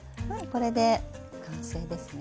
これで完成ですね。